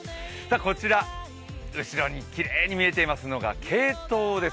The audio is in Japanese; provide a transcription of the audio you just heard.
こちら、後ろにきれいに見えていますのがケイトウです。